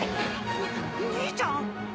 兄ちゃん？